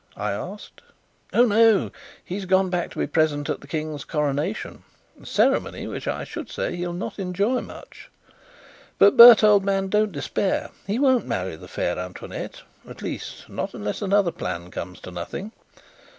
I asked. "Oh no! He's gone back to be present at the King's coronation; a ceremony which, I should say, he'll not enjoy much. But, Bert, old man, don't despair! He won't marry the fair Antoinette at least, not unless another plan comes to nothing.